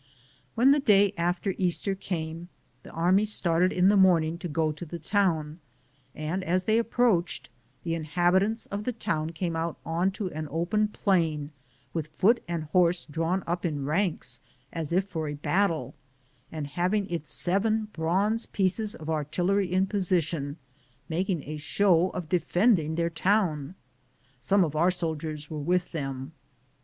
When the day after Easter came, the army started in the morning to go to the town and, as they approached, the inhabitants of the town came out on to an open plain with foot and horse drawn up in ranks as if for a bat tle, and having its seven bronze pieces of artillery in position, making a show of de fending their town. Some of our soldiers were with them.